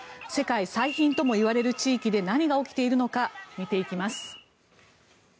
世界最貧ともいわれる地域で何が起きているのか見ていきます。